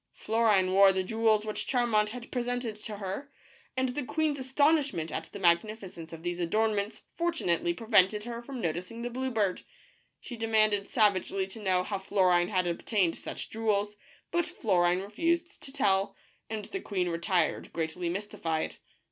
Florine wore the jewels which Charmant had presented to her, and the queen's astonishment at the magnificence of these adornments for tunately prevented her from noticing the blue bird. She demanded savagely to know how Florine had obtained such jewels, but Florine refused to tell, and the queen retired greatly mystified.